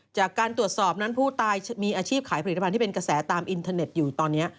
จากการตรวจสอบนั้นผู้ตายมีอาชีพขายผลิตภัณฑ์ที่เป็นกระแสตามอินเทอร์เน็ตอยู่ตอนนี้